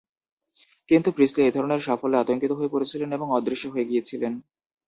কিন্তু, প্রিসলি এই ধরনের সাফল্যে আতঙ্কিত হয়ে পড়েছিলেন এবং অদৃশ্য হয়ে গিয়েছিলেন।